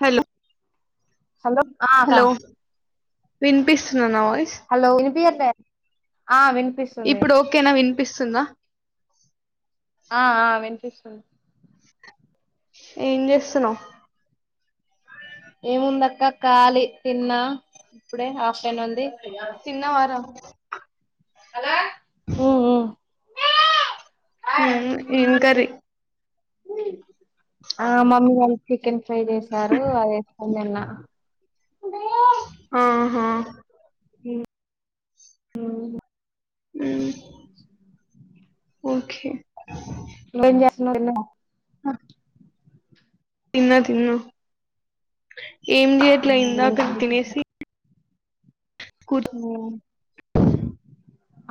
Hello hello ఆ అక్క hello విన్పిస్తుందా నా వాయిస్ హలో వినిపియట్లే ఆ వినిపిస్తుంది ఇప్పుడు ఓకేనా వినిపిస్తుంద ఆ ఆ వినిపిస్తుంది. ఏం చేస్తున్నావ్ ఏముంద అక్క కాలి తిన్నా ఇప్పుడే ఆఫ్న్ ఉంది తిన్నావా రా ఉమ్ ఉమ్ [inaudible] ఉమ్ ఉమ్ ఎంకర్రి మీ ఆ మమ్మీ వాళ్లు చికెన్ ట్రై చేశారు ఆన్లైన్లా ఆహా ఒకే నువ్వేం చేస్తునావ్ డిలేనా ఆ తిన్నా తిన్న ఏం చెయ్యట్లే ఇందాకే తినేసి కూర్ ఓ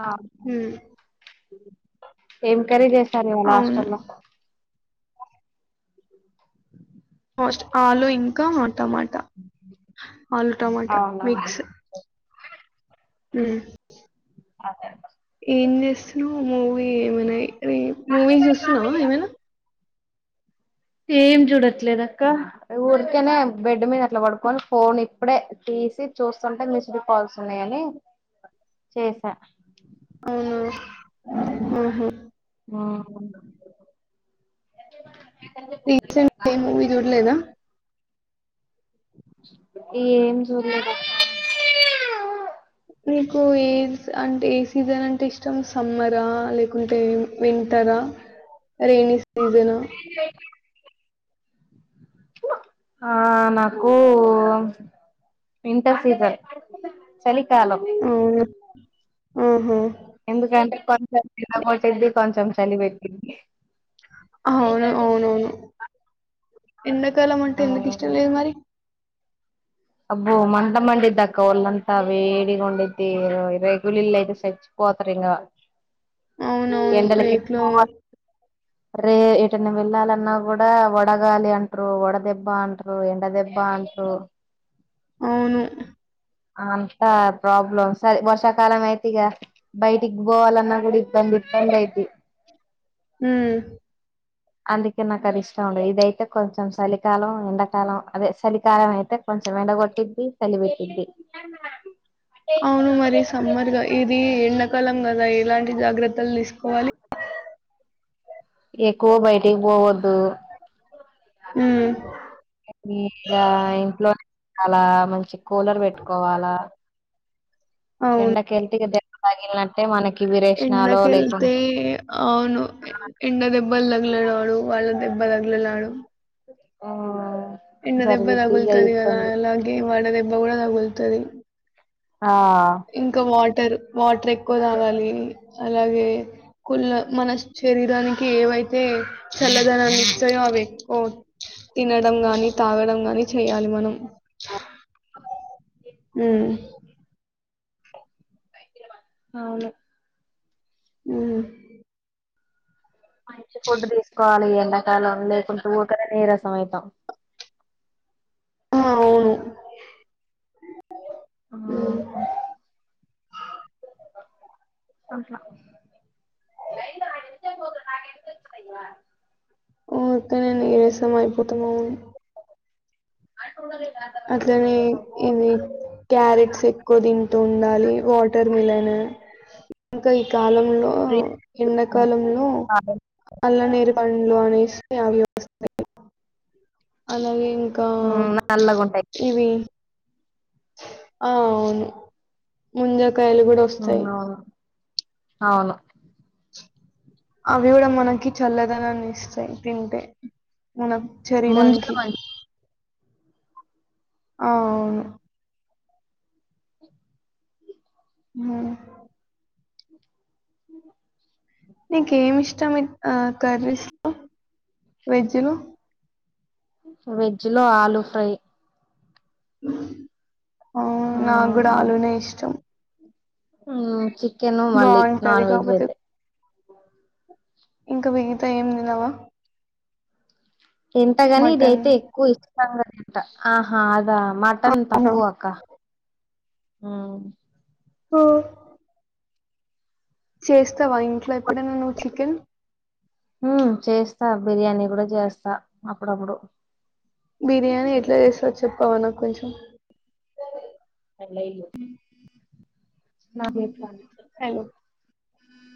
ఆ ఉమ్ ఏం కర్రి చేసి కర్రి అవును హస్టల్ లో మోస్ట్ ఆలు ఇంకా టమాటా ఆలు టమాటా అవునా మిక్స్ ఉమ్మ్ అదే ఇంకా ఏం చేస్తున్నా మూవీ ఏమైనా మూవీ చూస్తున్నావా ఏమైనా ఏం చూడట్లేదు అక్కా ఊరికేనే బెడ్ మీద అట్లా పడుకని ఫోన్ ఇప్పుడే తీసి చూస్తుంటే మిసిడ్ కాల్స్ ఉన్నాయని చేసా అవునా ఆహా ఆ రీసెంట్ ఏ మూవీ జుడలేదా ఏం చూలేదు మీకు ఏ అంటే ఏ సీజన్ అంటే ఇష్టం సమ్మరా లేకుంటే వింటరా రేనీ సీజన్ ఆ నాకు వింటర్స్ ఇదే చలి చాల అవును ఆహా ఎందుకంటే కొంచెం చల కొట్టిద్ది కొంచెం చలి పెట్టింది అవును అవునవును ఎండాకాలం అంటే ఆ ఎందుకు ఇష్టం లేదు మరి అబ్బు మంట మండద్దక్క ఒల్ంతా వేడిగండదిది రైగులి ఇల్ యితే సచ్చపోత్రింగ అవునవును. ఎండల రేకులో రే చిన్న పిల్లాలన్నా కూడా వడగాలి అంటారు వడదెబ్బ అంటారు ఎండ దెబ్బ అంటారు అవును అంతా ప్రాబ్లమ్ సర వర్షాకాలం అయితిగ బయటికి పోవాలన్నా కూడా ఇబంది ఇబంద అఐతి హ అందుకే నాకు అది ఇష్టం ఉండదు ఇదయితే కొంచెం చలికాలం ఎండాకాలం అదే చలికాలం అయితే కొంచెం ఎండగొట్టింది చలిబెట్టింది అవును మరి సమ్మర్ లో ఇది ఎడాకాలం కదా ఎలాంటి జాగ్రత్త లు తీసుకోవాలి ఎక్కువ బయటికి పోవద్దు మ్మ్ మీకా ఇంట్లోనే అలా మంచి కూలర్ పెట్టుకోవాలా ఎండకెల్తిగద తగిలినట్టే మనకి విరేచనాలో ఎండకి వెళ్తే లేకుంటే అవును ఎండదె బ్బల్ తగల నాడు వడ దెబ్బ తగుల నాడు మ్మ్ ఎండదెబ్బ తగుల్తది కదా అలాగే వడ దె బ్బ కూడా తగుల్తది ఆ ంటర్ వాటర్ ఎక్కువ తాగాలిి అలాగే కుళ మన శరీరానికి ఏవైతే చల్లదనాన్ని ఇస్తాయో అవి ఎక్కువ తినడం గాని తాగడం గాని చేయాలి మనం మ్మ్ అవును మ్మ్ మంచి ఫుడ్ తీసుకోవాలి. ఎండాకాలం లేకుంటే ఊకనే నీరసం అయితాం ఆ అవును మ్మ్ మ్మ్ [inaudible] ఓకనేే నీరసం అయిపోతున్నావు అ అట్లనే ఇది క్యారెట్స్ ఎక్కువ తింటూ ఉండాలి వాటర్ మిలన్ ఇంక ఈ కాలంలో ఎండాకాలంలో అల్ల నీరు పండ్లు [unintelligible] [unintelligible] అలాగే ఇకా మ్మ్ నల్లగుంటాయి ఇవి ఆ అవును ముంజ కాయలు కూడా మ్మ్ వస్తాయి అవును అవును అవి కూడా మనకి చల్లదనాన్ని ఇస్తాయి తింటే మనం ముంజలు శరీరానికి మంచి అవును హ్మ్ అ నీకేమి ఇష్టం ఇ ఆ కర్రీస్లో వెజ్ లో వెజ్ లో ఆలూ ఫ్రై హ్మూ ఆ నాకు కూడా ఆలునే ఇష్టం ఆ ఛీ చికెను మళ్ళీ బాగుంటది నాన్ వెజ్ కాకపోతే అయితే ఇంకా మిగతా ఏమి తినవా తింతగాని ఇది మటన్ అయితే ఎక్కువ ఇష్టం గా ఠ ఆహా అదా మట్ మటన్ అవునా తక్కువక్క ఆ ఓ చేస్తావా ఇంట్లో ఎప్ ఎప్పుడన్నా నువ్ చికెన్ హు బిర్యానీ కూడా చేస్తా అప్పుడప్పుడు బిర్యానీ ఎట్లా చేస్తవ్ చెప్పావా నాకు కొంచెం [unintelligible] హలో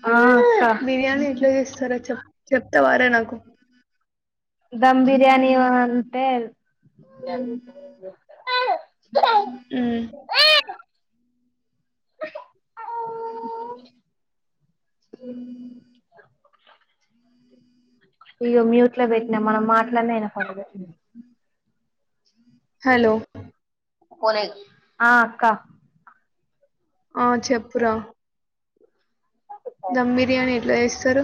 ఆ అక్క బిర్యానీ ఎట్లా చేస్తారో చెప్ చెప్తావారా నాకు ర్యాని అంతే [unintelligible] హ్మ్ ఇ మ్యూట్ లో పెట్టినా మనం మాట్లాడిన వినపడదు హలో పోలేద్ ఆ అక్క ఆ చెప్పురా దమ్ బిర్యానీ ఎట్లా చేస్ సరు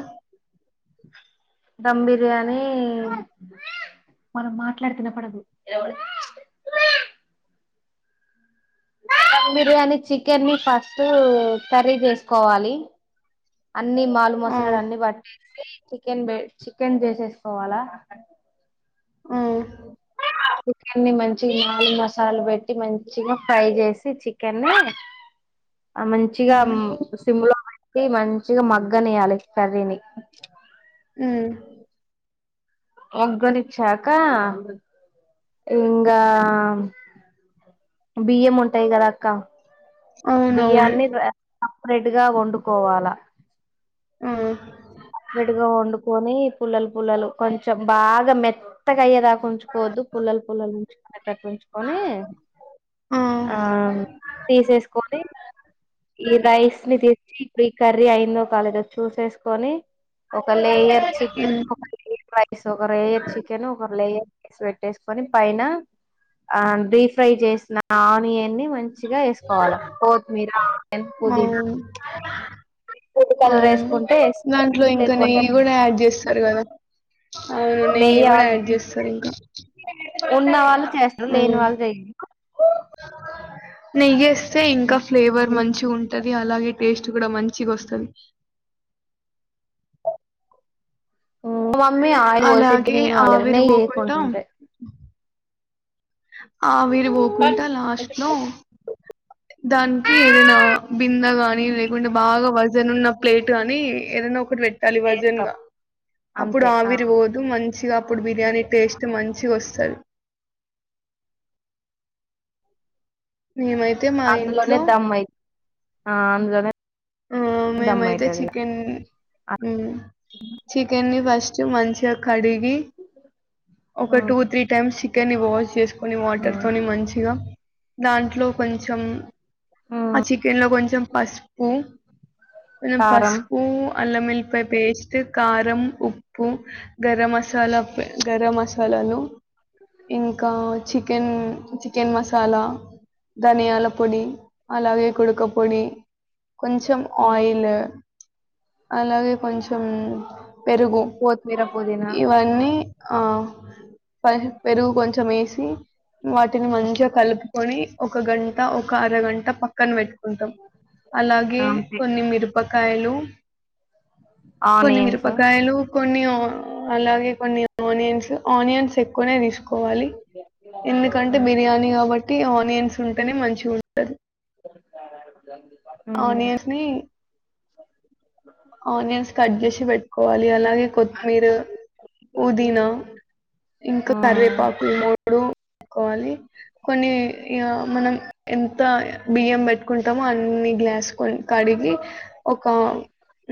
ధమ్ బిర్యానీ మనం మాట్లాడుతే వినపడదు బిర్యానీ చికెన్ ని ఫస్ట్ కర్రీ చేసుకోవాలి ఆ అన్నీ మాలు ఆ మసాలాలు అన్ని పట్టేసి చికెన్ బె చికెన్ చేసేసుకోవాలా ఆ చికెన్ని మంచి మాల్ మసాలా పెట్టి మంచిగా ఫ్రై చేసి చికెన్ని ఆ మంచిగా మ్మ్ సిమ్లో పె ఇ మంచిగా మగ్గనియ్యాలి కర్రీని ఉమ్ ఉగ్గనిచ్చాకా ఇంగా బియ్యం ఉంటాయి కదా అక్క అవునవును బియ్యాన్ని సప్రెట్ గా వండుకోవాలా ఆ సపరెట్గా వండుకొని పుల్లలు పుల్లలు కొంచెం బాగా మెత్తగా అయ్యేదాకుంచుకోవద్దు పుల్లల పుల్లలు ఉంచుకనే టట్టు ఉంచుకొని ఆ తీసేసుకొని ఈ రైస్ ని తీసి ఇప్పుడు ఈ కర్రీ అయిందో కాలేదో చూసేసు కొని ఒక లేయర్ [inaudible] మ్మ్ రైస్ ఒక రేయర్ చికెన్ ఒక లేయర్ రైస్ పెట్టేసుకొని పైన ఆ డీప్ ఫ్రై చేసిన ఆనియన్ని ని మం చిగా ఎసుకోవాల కోత్మీర పుదీనా అవును ఫుడ్ కలర్ అవును వేసుకుంటే వేసుకోవాలి, దాంట్లో ఇంకా లేకుంటే నెయ్యి కూడా లేదు యాడ్ చేస్ టరు కదా అవును నెయ్యి కూడా యాడ్ చేస్తారు ఇంకా ఉన్నావాళ్ళు చేస్తర్ ఆ లేని వాళ్ళ చయ నెయ్యి ఎస్ తే ఇంకా ఫ్లేవర్ మంచిగుంటది అలాగే టేస్ట్ కూడా మంచిగా వస్తది [unintelligible] మమ్మీ ఆయిల్ పోసి అలాగే ఆవిరి [unintelligible] లే పోకుండా కుంటుంటె ఆవీరి పోకుంటా లాస్ట్ లో దానికి ఏదైనా బింద గాని లేకుంటే బాగా వజన్ ఉన్న ప్లే ట్ గాని ఏదన్న ఒక టి పెట్టాలి వజన్ చేస్తాం గా అప్పుడు అంతే ఆ ఆవిరి పోదు మం మంచిగా అప్పుడు బిర్యానీ టేస్ట్ మంచిగా వస్తది మేమైతే మా ఇంట్లో అందులోనే దమ్ అయి ఆ అందులోనే ఆ దమ్ మేమైతే అయితది ఇగ చికెన్ ఉమ్ చికెన్ని ఫస్ట్ మంచిగా కడి గి ఒక టూ త్రీ టైమ్స్ కెన్ని వాష్ చేసు కొని వాటర్ తోని మంచిగా దాంట్లో కొంచెం ఆ మ్మ్ చికెన్ లో కొంచెం పసుపు కొంచెం కారం పసుపు అల్లంవెల్లిపాయ పేస్ట్ కారం ఉప్పు గరం మసాలా గరం మసాలాలు ఇంకా చికెన్ చికెన్ మసాలా ధనియాల పొడి లవే కొడుకపోడి ఇ కొంచం ఆయిలు అలాగే కొంచెం పెరుగు కొత్తిమీర పుదీనా ఇవన్నీ ఆ పెరుగు కొంచెం ఏసి వాటిని మంచిగా కలుపుకొని ఒక గంట ఒక అరగంట పక్కన పెట్ కుంటాం అలాగే అంతే కొన్ని మిరపక్ కాయలు ఆనియన్స్ కొన్నిమిరపకాయలు కొన్ని అలాగే కొన్ని ఆనియన్స్ ఆనియన్స్ ఎక్కువనే తీసు కోవాలి ఎందుకంటే బిర్యానీ గాబ [unintelligible] ఆనియన్స్ ఉంటేనే మంచిగ ఉంటది [inaudible] ఆనియన్సి ఆనియన్స్ కట్ జెసి పెట్టుకోవాలి ని అలాగే కొత్త మీరు పుదీనా ఇంక మ్మ్ కర్వేపాకు లు ఇప్పుడు కోవాలి కొన్ని ఇగ మనం ఎంత బియ్యం పెట్టుకుంటామో అన్ని గ్లాస్ కొ కడిగి ఒక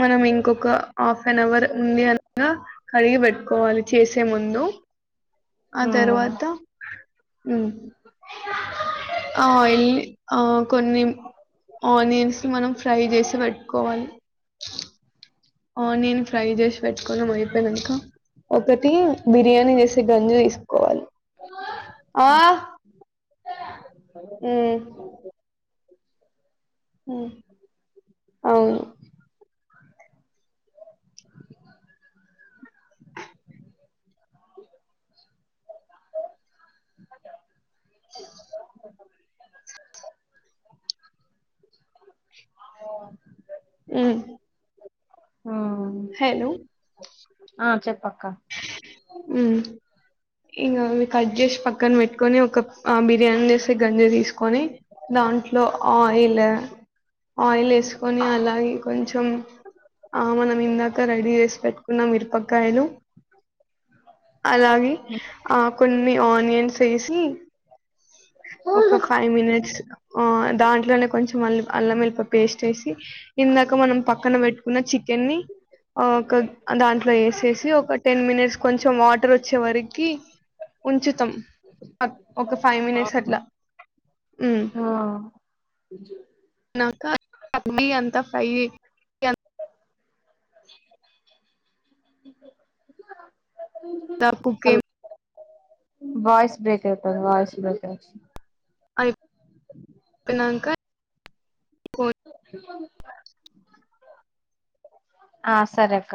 మనం ఇంకొక ఆఫ్ అన్ అవర్ ఉంది అనగా కడిగి బెట్టుకోవాలి చేసి తే ముందు ఆ ఉమ్ తర్వాత ఉ ఆయిల్ ఆ కొన్ని ఆనియన్స్ మనం ఫ్రై జేసి పెట్టుకోవాలి ఆనియన్ ఫ్రై చేసి పెట్టుకోన్నాం అయిపోయినంక ఒకటి బిర్యానీ చేసే గంజు తీసుకోవాలి ఆ హ్మ్ ఉ అవును అఓ పెట్ ఉ ఉమ్ హలో ఆ చెప్పు అక్క హ్మ్ ఇంగ అవి కట్ చేసి పక్కన పెట్టుకొని ఒక బిర్యానీ చేసే గంజు తీసుకొని దాంట్లో ఆయిల్ ఆయిల్ వేసుకొని అలాగే కొంచెం ఆ మనం ఇందాక రెడీ చేసి పెట్టు కున్నా మిరపకాయలు అలాగే ఆ కొన్ నే ఆనియన్స్ వేసి ఒక ఫైవ్ మినిట్స్ ఆ దాంట్లోనే కొంచం ఆల్ అల్లంఎల్లిపాయ్ పేస్ట్ వేసి అ ఇందాక మనం పక్కన పెట్టుకున్న చికెన్ని ఆ ఒక దాంట్లో వేసేసి ఒక మినిట్స్ కొంచెం వాటర్ వచ్చే వరకి ఉంచుతాం ఒక ఫైవ్ మినిట్స్ అట్లా ఉమ్ నాక అది అంత ఫై యాక్ ఇది గోర తపుకేం వాయిస్ బ్రేక్ అయితాంది వాయిస్ బ్రేకర్ అయ్ పెనంక ఆ సరే అక్క